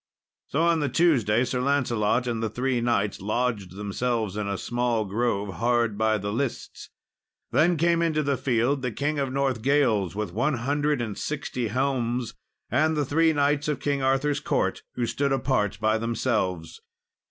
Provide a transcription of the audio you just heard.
So, on the Tuesday, Sir Lancelot and the three knights lodged themselves in a small grove hard by the lists. Then came into the field the King of Northgales, with one hundred and sixty helms, and the three knights of King Arthur's court, who stood apart by themselves.